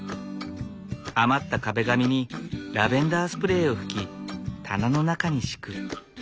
余った壁紙にラベンダースプレーを吹き棚の中に敷く。